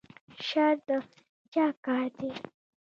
شر د چا کار دی؟